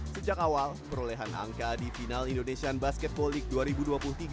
sejak awal perolehan angka di final indonesian basketball league dua ribu dua puluh tiga